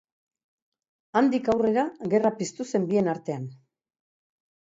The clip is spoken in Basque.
Handik aurrera gerra piztu zen bien artean.